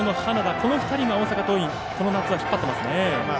この２人が大阪桐蔭、この夏は引っ張ってますね。